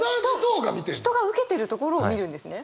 人が受けてるところを見るんですね？